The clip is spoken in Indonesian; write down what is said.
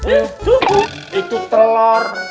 itu itu telor